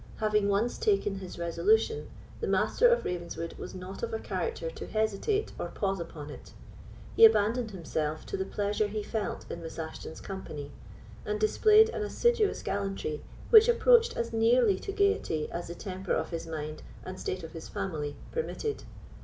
Having once taken his resolution, the Master of Ravenswood was not of a character to hesitate or pause upon it. He abandoned himself to the pleasure he felt in Miss Ashton's company, and displayed an assiduous gallantry which approached as nearly to gaiety as the temper of his mind and state of his family permitted.